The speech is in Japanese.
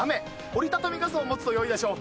折り畳み傘を持つと良いでしょう。